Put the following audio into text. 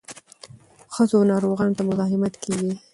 ښځو او ناروغانو ته مزاحمت کیږي.